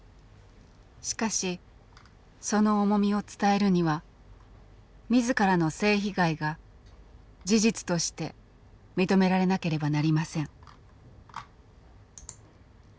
しかしその重みを伝えるには自らの性被害が事実として認められなければなりません。